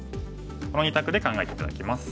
この２択で考えて頂きます。